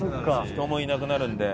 人もいなくなるんで。